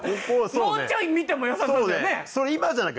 もうちょいみてもよさそうだよね。